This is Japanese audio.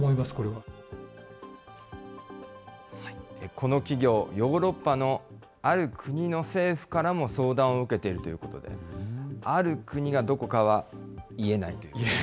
この企業、ヨーロッパのある国の政府からも相談を受けているということで、ある国がどこかは言えないと。